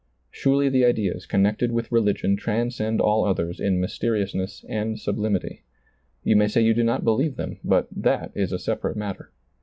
Surely the ideas connected with religion trans cend all others in mysteriousness and sublim ity. You may say you do not believe them, but that is a separate matter.